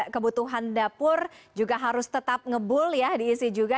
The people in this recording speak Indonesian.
kebutuhan dapur juga harus tetap ngebul ya diisi juga